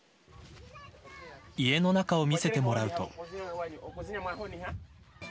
家の中を見せてもらうと。